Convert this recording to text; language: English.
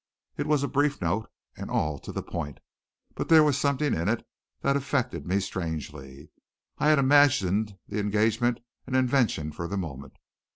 It was a brief note and all to the point. But there was something in it that affected me strangely. I had imagined the engagement an invention for the moment.